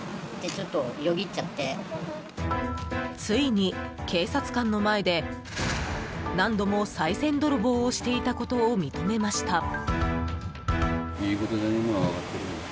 ついに警察官の前で何度もさい銭泥棒をしていたことを認めました。